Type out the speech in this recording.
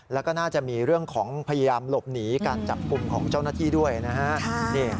แล้วก็น่าจะมีเรื่องของพยายามหลบหนีการจับกลุ่มของเจ้าหน้าที่ด้วยนะฮะ